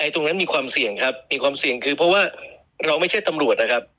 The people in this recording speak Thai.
ตรงนั้นมีความเสี่ยงครับมีความเสี่ยงคือเพราะว่าเราไม่ใช่ตำรวจนะครับ